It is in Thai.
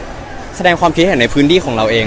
เราแค่แสดงความคิดให้เห็นในพื้นดี้ของเราเอง